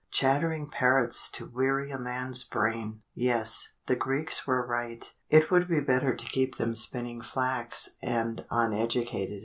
Chattering parrots to weary a man's brain! Yes, the Greeks were right, it would be better to keep them spinning flax, and uneducated.